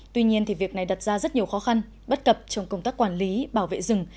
tuy nhiên việc này đặt ra rất nhiều khó khăn bất cập trong công tác quản lý bảo vệ rừng